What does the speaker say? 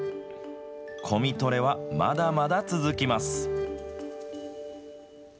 コミトレはまだまだ続きます。